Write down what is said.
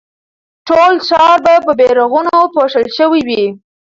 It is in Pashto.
ټول ښار به په بيرغونو پوښل شوی وي.